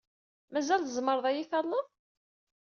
Mazal tzemred ad iyi-talled?